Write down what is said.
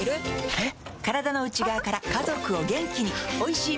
えっ？